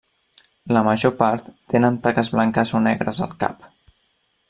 La major part tenen taques blanques o negres al cap.